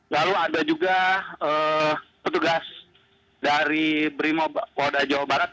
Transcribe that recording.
lalu ada juga petugas dari vimobolda jawa barat